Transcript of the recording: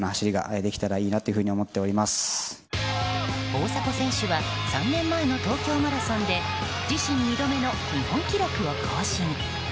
大迫選手は３年前の東京マラソンで自身２度目の日本記録を更新。